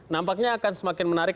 nampaknya akan semakin menarik